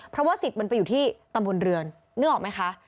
เพราะว่าสิทธิ์มันไปอยู่ที่ตำบลเรือนนึกออกไหมคะ